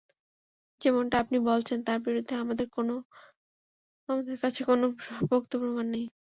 যেমনটা আপনি বলছেন তার বিরুদ্ধে আমাদের কাছে কোনো পোক্ত প্রমাণ নেই।